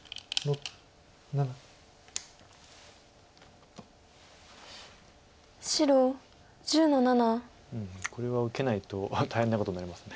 うんこれは受けないと大変なことになります。